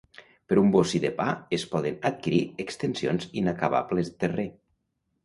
Per un bossí de pa es poden adquirir extensions inacabables de terrer.